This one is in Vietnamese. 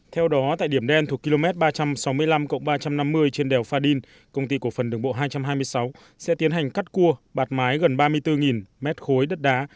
theo đó tại điểm đen thuộc km ba trăm sáu mươi năm ba trăm năm mươi trên đèo pha đin công ty cổ phần đường bộ hai trăm hai mươi sáu sẽ tiến hành cắt cua bạt mái gần ba mươi bốn mét khối đất đá